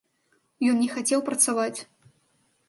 Ён не хацеў працаваць.